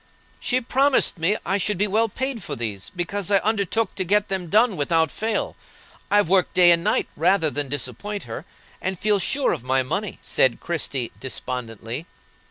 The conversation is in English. "She promised me I should be well paid for these, because I undertook to get them done without fail. I've worked day and night rather than disappoint her, and felt sure of my money," said Christie, despondently.